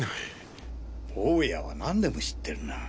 ボウヤは何でも知ってるな。